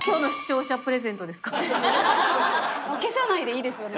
消さないでいいですよね